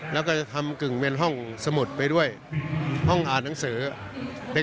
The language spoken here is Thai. แล้วก็จะทำกึ่งเป็นห้องสมุดไปด้วยห้องอ่านหนังสือเป็น